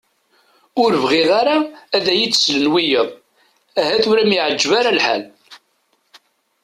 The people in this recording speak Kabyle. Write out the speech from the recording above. Ue bɣiɣ ara ad iyi-d-slen wiyaḍ ahat ur am-iɛeǧǧeb ara lḥal.